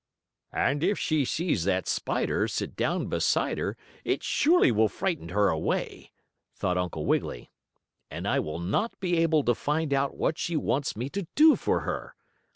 "And if she sees that spider, sit down beside her, it surely will frighten her away," thought Uncle Wiggily, "and I will not be able to find out what she wants me to do for her.